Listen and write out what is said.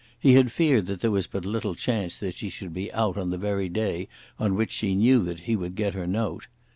He had feared that there was but little chance that she should be out on the very day on which she knew that he would get her note.